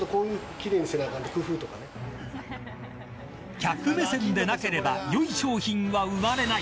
客目線でなければよい商品は生まれない。